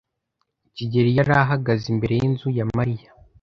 kigeli yari ahagaze imbere yinzu ya Mariya.